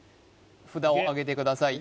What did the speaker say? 札をあげてください